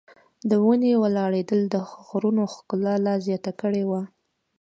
د ونې ولاړېدل د غرونو ښکلا لا زیاته کړې وه.